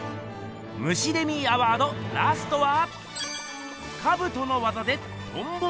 ムシデミーアワードラストは。